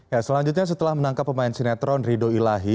ya selanjutnya setelah menangkap pemain sinetron rido ilahi